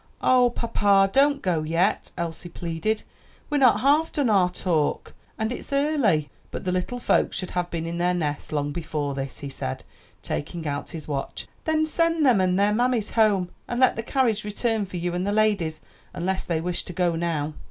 "Ah, papa, don't go yet," Elsie pleaded, "we're not half done our talk, and it's early." "But the little folks should have been in their nests long before this," he said, taking out his watch. "Then send them and their mammies home, and let the carriage return for you and the ladies; unless they wish to go now."